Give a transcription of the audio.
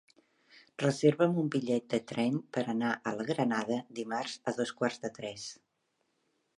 Reserva'm un bitllet de tren per anar a la Granada dimarts a dos quarts de tres.